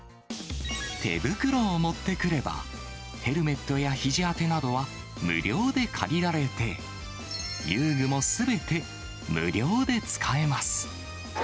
手袋を持ってくれば、ヘルメットやひじ当てなどは無料で借りられて、遊具もすべて無料で使えます。